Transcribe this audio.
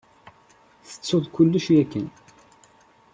Tettuḍ kullec yakan?